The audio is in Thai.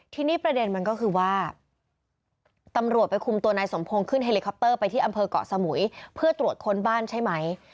ทีนี้ประเด็นมันก็คือว่าตำรวจไปคุมตัวนายสมพงศ์ขึ้นเฮลิคอปเตอร์ไปที่อำเภอกเกาะสมุยเพื่อตรวจค้นบ้านใช่ไหม